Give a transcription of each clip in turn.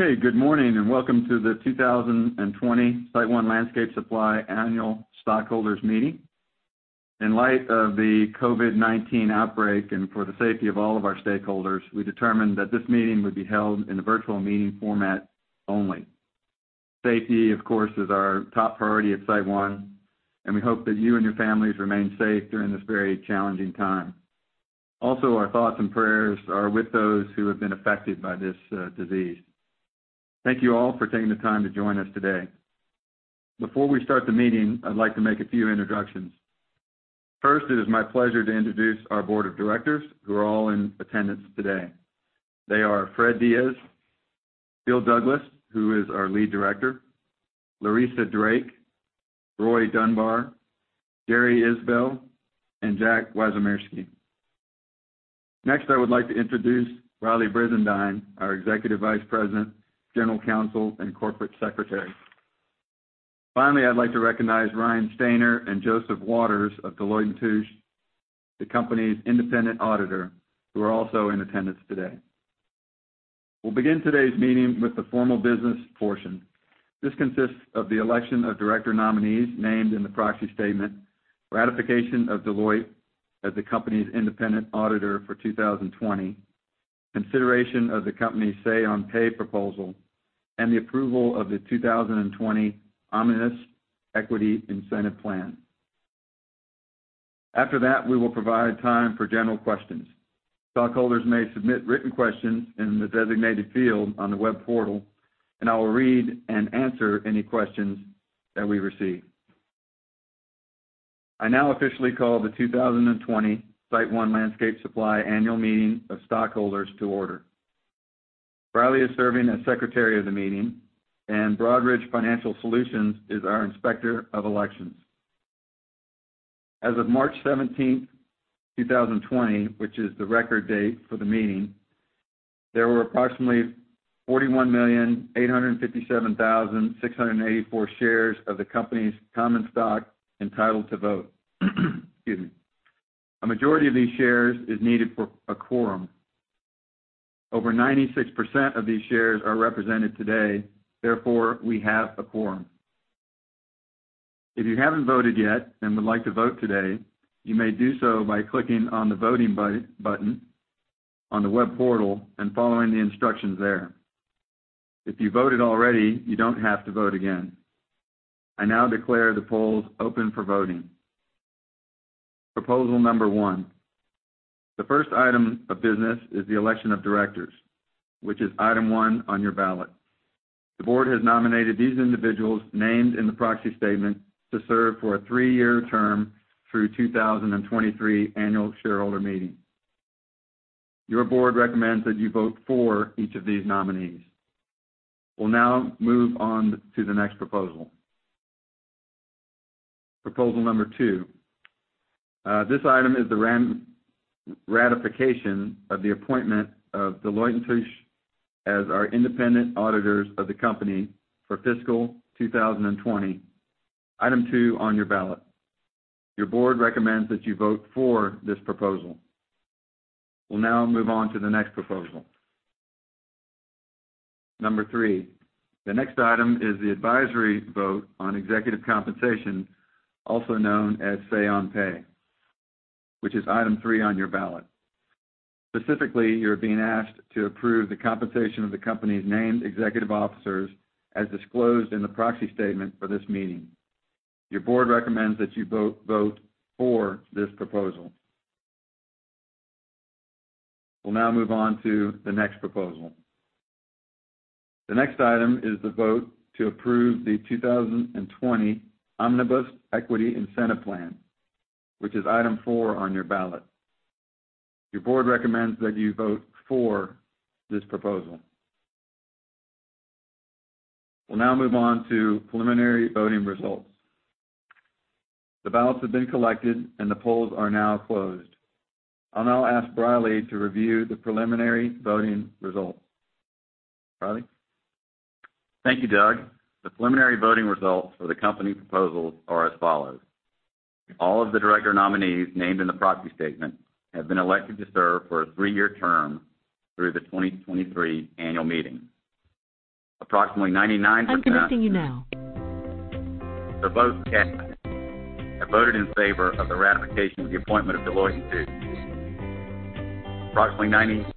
Okay, good morning and Welcome to the 2020 SiteOne Landscape Supply Annual Stockholders Meeting. In light of the COVID-19 outbreak and for the safety of all of our stakeholders, we determined that this meeting would be held in a virtual meeting format only. Safety, of course, is our top priority at SiteOne, and we hope that you and your families remain safe during this very challenging time. Our thoughts and prayers are with those who have been affected by this disease. Thank you all for taking the time to join us today. Before we start the meeting, I'd like to make a few introductions. First, it is my pleasure to introduce our board of directors who are all in attendance today. They are Fred Diaz, Phil Douglas, who is our Lead Director, Larisa Drake, Roy Dunbar, Jeri Isbell, and Jack Wyszomierski. Next, I would like to introduce Briley Brisendine, our Executive Vice President, General Counsel, and Corporate Secretary. Finally, I'd like to recognize Ryan Stayner and Joseph Waters of Deloitte & Touche, the company's independent auditor, who are also in attendance today. We'll begin today's meeting with the formal business portion. This consists of the election of director nominees named in the proxy statement, ratification of Deloitte as the company's independent auditor for 2020, consideration of the company's Say-on-Pay proposal, and the approval of the 2020 Omnibus Equity Incentive Plan. After that, we will provide time for general questions. Stockholders may submit written questions in the designated field on the web portal, and I will read and answer any questions that we receive. I now officially call the 2020 SiteOne Landscape Supply Annual Meeting of Stockholders to order. Briley is serving as secretary of the meeting, and Broadridge Financial Solutions is our inspector of elections. As of March 17th, 2020, which is the record date for the meeting, there were approximately 41,857,684 shares of the company's common stock entitled to vote. Excuse me. A majority of these shares is needed for a quorum. Over 96% of these shares are represented today, therefore, we have a quorum. If you haven't voted yet and would like to vote today, you may do so by clicking on the voting button on the web portal and following the instructions there. If you voted already, you don't have to vote again. I now declare the polls open for voting. Proposal number one. The first item of business is the election of directors, which is item one on your ballot. The board has nominated these individuals named in the proxy statement to serve for a three-year term through 2023 Annual Shareholder Meeting. Your board recommends that you vote for each of these nominees. We'll now move on to the next proposal. Proposal number two. This item is the ratification of the appointment of Deloitte & Touche as our independent auditors of the company for fiscal 2020, item two on your ballot. Your board recommends that you vote for this proposal. We'll now move on to the next proposal. Number three. The next item is the advisory vote on executive compensation, also known as Say-on-Pay, which is item three on your ballot. Specifically, you're being asked to approve the compensation of the company's named executive officers as disclosed in the proxy statement for this meeting. Your board recommends that you vote for this proposal. We'll now move on to the next proposal. The next item is the vote to approve the 2020 Omnibus Equity Incentive Plan, which is item four on your ballot. Your board recommends that you vote for this proposal. We'll now move on to preliminary voting results. The ballots have been collected and the polls are now closed. I'll now ask Briley to review the preliminary voting results. Briley? Thank you, Doug. The preliminary voting results for the company proposals are as follows. All of the director nominees named in the proxy statement have been elected to serve for a three-year term through the 2023 annual meeting. Approximately 99% of the votes cast have voted in favor of the ratification of the appointment of Deloitte & Touche. Approximately 98%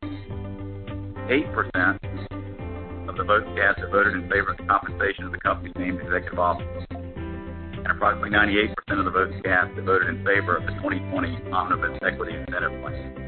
of the votes cast have voted in favor of the compensation of the company's named executive officers. Approximately 98% of the votes cast have voted in favor of the 2020 Omnibus Equity Incentive Plan.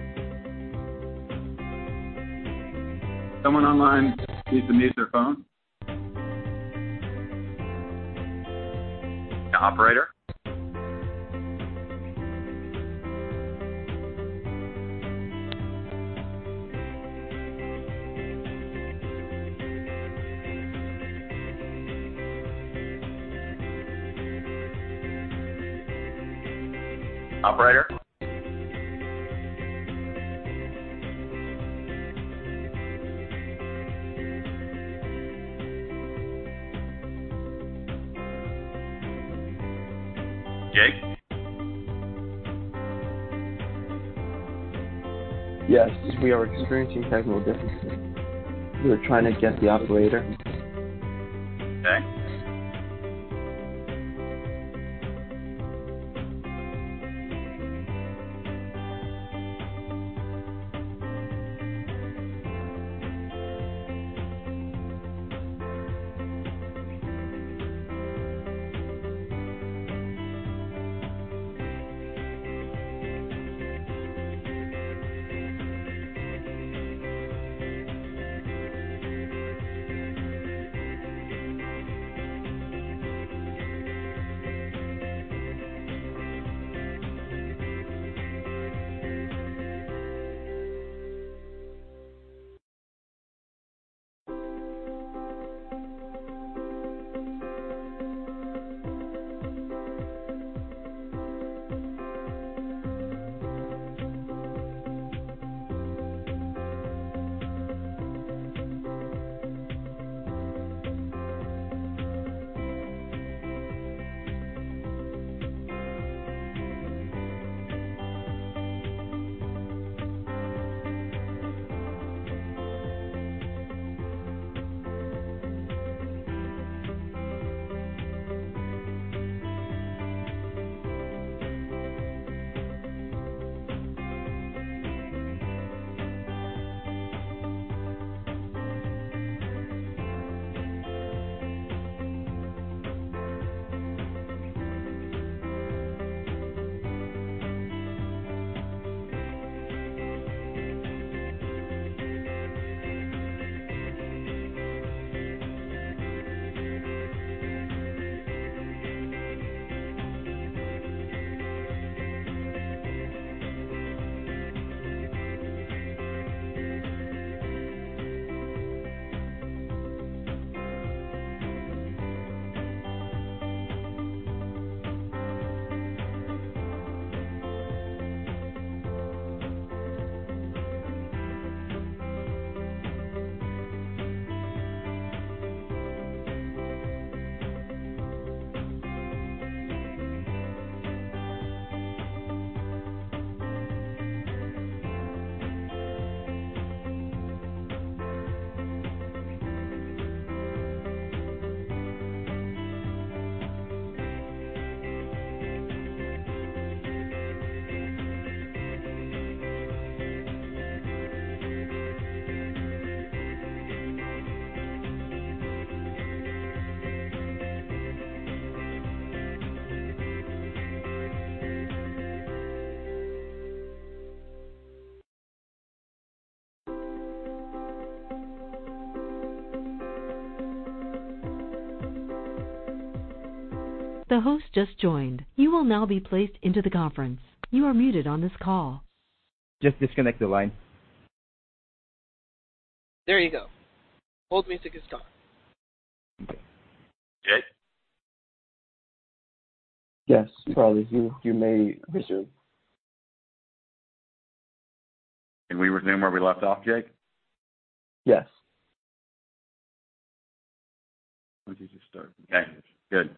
Okay, good.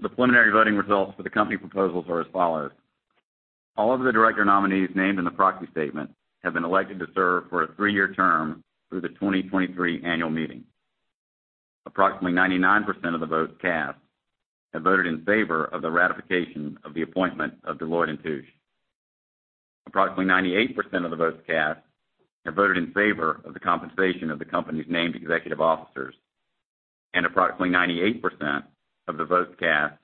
The preliminary voting results for the company proposals are as follows. All of the director nominees named in the proxy statement have been elected to serve for a three-year term through the 2023 annual meeting. Approximately 99% of the votes cast have voted in favor of the ratification of the appointment of Deloitte & Touche. Approximately 98% of the votes cast have voted in favor of the compensation of the company's named executive officers. Approximately 98% of the votes cast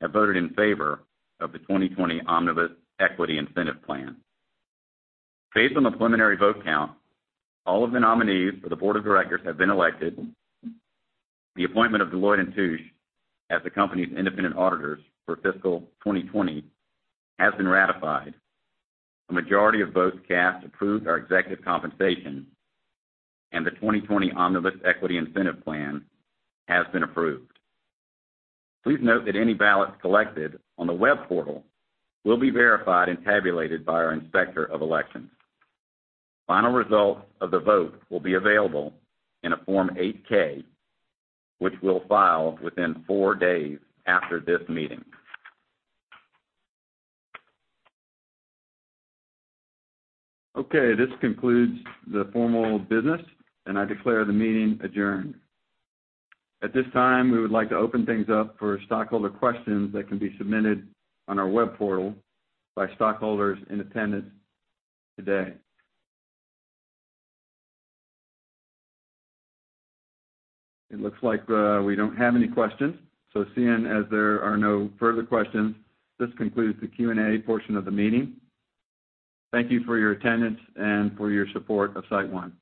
have voted in favor of the 2020 Omnibus Equity Incentive Plan. Based on the preliminary vote count, all of the nominees for the board of directors have been elected. The appointment of Deloitte & Touche as the company's independent auditors for fiscal 2020 has been ratified. A majority of votes cast approved our executive compensation, and the 2020 Omnibus Equity Incentive Plan has been approved. Please note that any ballots collected on the web portal will be verified and tabulated by our Inspector of Elections. Final results of the vote will be available in a Form 8-K, which we'll file within four days after this meeting. Okay. This concludes the formal business, and I declare the meeting adjourned. At this time, we would like to open things up for stockholder questions that can be submitted on our web portal by stockholders in attendance today. It looks like we don't have any questions. Seeing as there are no further questions, this concludes the Q&A portion of the meeting. Thank you for your attendance and for your support of SiteOne.